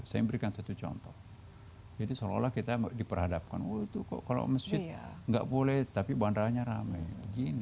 saya memberikan satu contoh jadi seolah olah kita diperhadapkan oh itu kok kalau masjid nggak boleh tapi bandaranya ramai begini